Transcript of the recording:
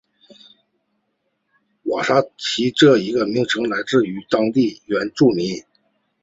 瓦萨奇这一名称来自于当地原住民。